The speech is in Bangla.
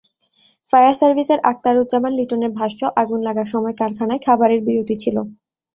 ফায়ার সার্ভিসের আকতারুজ্জামান লিটনের ভাষ্য, আগুন লাগার সময় কারখানায় খাবারের বিরতি ছিল।